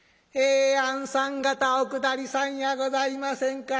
えあんさん方お下りさんやございませんか。